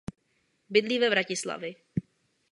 Bydlí ve Vratislavi.